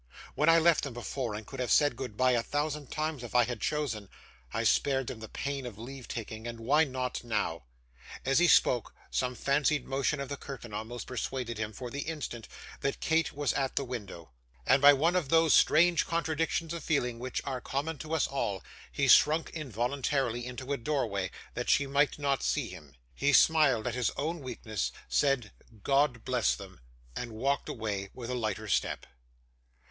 'When I left them before, and could have said goodbye a thousand times if I had chosen, I spared them the pain of leave taking, and why not now?' As he spoke, some fancied motion of the curtain almost persuaded him, for the instant, that Kate was at the window, and by one of those strange contradictions of feeling which are common to us all, he shrunk involuntarily into a doorway, that she might not see him. He smiled at his own weakness; said 'God bless them!' and walked away with a lighter step.